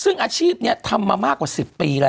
สุริยาจันทราทองเป็นหนังกลางแปลงในบริษัทอะไรนะครับ